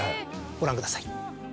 ご覧ください。